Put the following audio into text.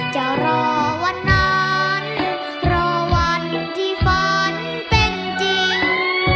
จะรอวันนั้นรอวันที่ฝันเป็นจริง